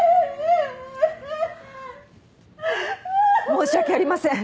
申し訳ありません。